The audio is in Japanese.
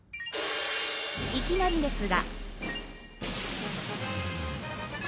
いきなりですが。